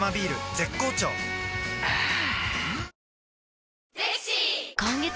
絶好調あぁあ！